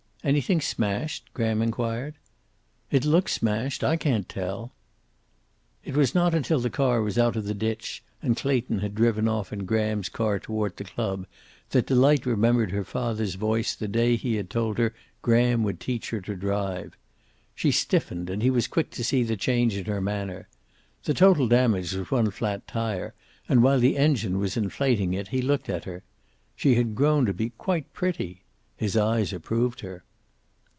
"Anything smashed?" Graham inquired. "It looks smashed. I can't tell." It was not until the car was out of the ditch, and Clayton had driven off in Graham's car toward the club that Delight remembered her father's voice the day he had told her Graham would teach her to drive. She stiffened and he was quick to see the change in her manner. The total damage was one flat tire, and while the engine was inflating it, he looked at her. She had grown to be quite pretty. His eyes approved her.